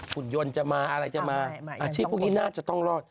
คุณยนต์จะมาอะไรจะมาอาชีพพวกนี้น่าจะต้องรอด